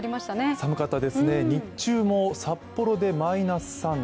寒かったですね、日中も札幌で３度。